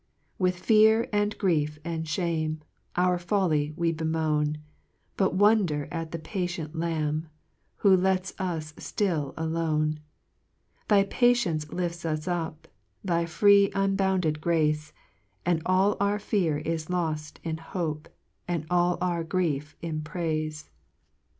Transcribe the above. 4 With fear, and grief, and ihame, Our folly we bemoan, But wondcf at the patient Lamb, Who lets us ftill alone : Thy patience lifts us up, Thy free unbounded grace, And all our fear is loft in hope, And all our grief in praife.